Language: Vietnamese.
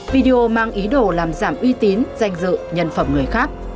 video mang ý đồ làm giảm uy tín danh dự nhân phẩm người khác